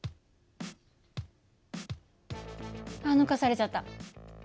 あっ抜かされちゃった。